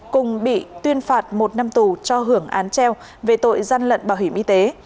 cùng bị tuyên phạt một năm tù cho hưởng án treo về tội gian lận bảo hiểm y tế